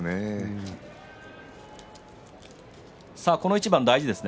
この一番大事ですね。